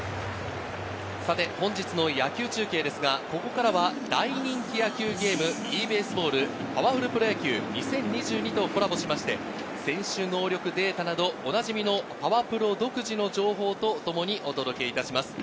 本日の野球中継は、ここからは大人気野球ゲーム、『ｅＢＡＳＥＢＡＬＬパワフルプロ野球２０２２』とコラボしまして、選手能力データなど、おなじみの『パワプロ』独自の情報とともにお届けいたします。